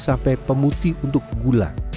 sampai pemutih untuk gula